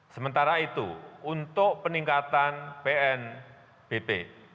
sementara itu untuk peningkatan pnbp